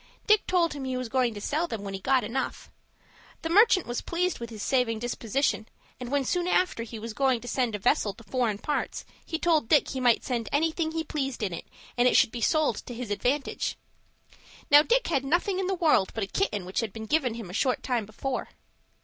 Dick told him he was going to sell them when he got enough. The merchant was pleased with his saving disposition, and when soon after, he was going to send a vessel to foreign parts, he told Dick he might send anything he pleased in it, and it should be sold to his advantage. Now Dick had nothing in the world but a kitten which had been given him a short time before."